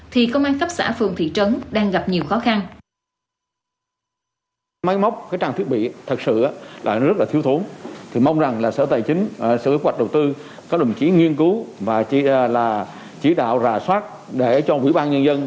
thì công an tp hcm đang gặp nhiều khó khăn